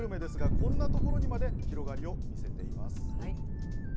こんなところにも広がりを見せています。